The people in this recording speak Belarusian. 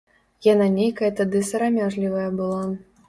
Яна нейкая тады сарамяжлівая была.